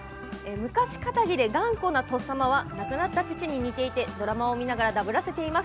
昔かたぎで頑固なとっさまは亡くなった父に似ていてドラマを見ながらダブらせています。